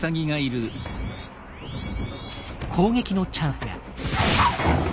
攻撃のチャンスが！